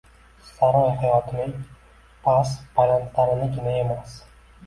Saroy hayotining past-balandlarinigina emas